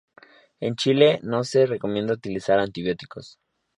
En Chile no se recomienda utilizar antibióticos.